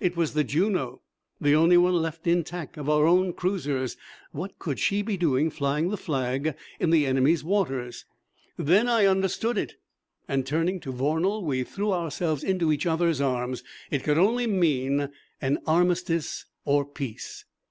It was the Juno, the only one left intact of our own cruisers. What could she be doing flying the flag in the enemy's waters? Then I understood it, and turning to Vornal, we threw ourselves into each other's arms. It could only mean an armistice or peace!